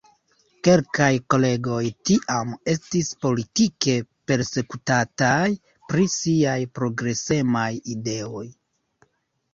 Kelkaj kolegoj tiam estis politike persekutataj pri siaj progresemaj ideoj.